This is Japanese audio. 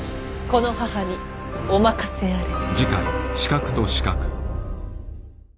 この母にお任せあれ。